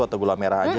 atau gula merah aja